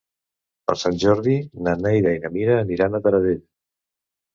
Per Sant Jordi na Neida i na Mira aniran a Taradell.